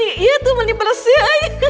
iya tuh melipersnya